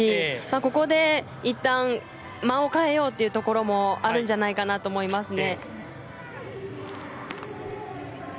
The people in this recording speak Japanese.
ここでいったん間を変えようというところもあるんじゃないかと思いますね。